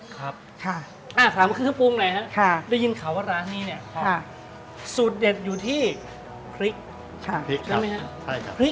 ครับถามคือปุ้งไหนครับได้ยินข่าวว่าร้านนี้เนี่ยครับสูตรเด็ดอยู่ที่พริก